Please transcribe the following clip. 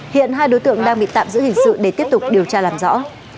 hiện hai đối tượng đang bị tạm giữ hình sự để tiếp tục điều tra làm rõ